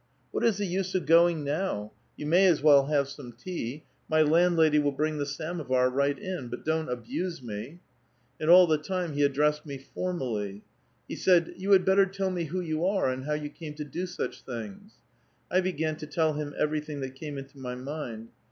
' What is the use of going now ? you may as well have some tea ; my landlady will bring the samovar right in. But don't abuse me.' And all the time he addressed me formally' [with vui,, you]. He said, ' You had better tell me who you are, and how you came to do such things.' I began to tell him everything that came into my mind.